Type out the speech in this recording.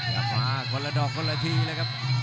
กลับมาคนละดอกคนละทีเลยครับ